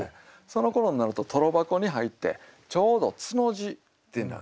そのころになるとトロ箱に入ってちょうど「つ」の字ってな。